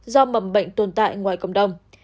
do mầm bệnh tồn tại ngoài cộng đồng